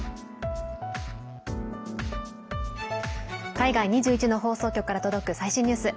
海外２１の放送局から届く最新ニュース。